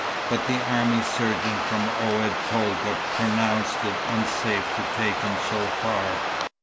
But the army surgeon from Oued Tolga pronounced it unsafe to take him so far.